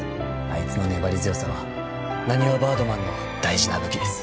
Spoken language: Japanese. あいつの粘り強さはなにわバードマンの大事な武器です。